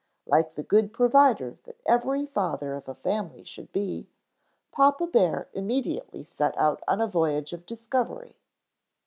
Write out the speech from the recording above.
Like the good provider that every father of a family should be, papa bear immediately set out on a voyage of discovery.